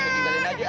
gue tinggalin aja